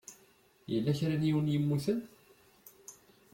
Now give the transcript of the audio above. Yella kra n yiwen i yemmuten?